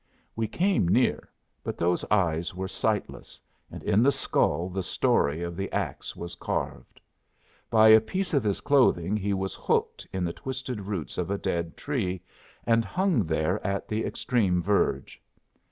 We came near. But those eyes were sightless, and in the skull the story of the axe was carved. By a piece of his clothing he was hooked in the twisted roots of a dead tree, and hung there at the extreme verge.